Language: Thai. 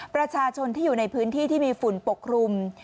ประชาชนที่อยู่ในพื้นที่ที่มีฝุ่นปกครุม